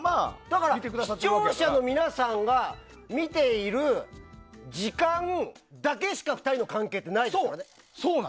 だから、視聴者の皆さんが見ている時間だけしか２人の関係ってないですからね。